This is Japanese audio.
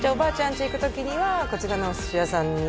家行く時にはこちらのお寿司屋さんに？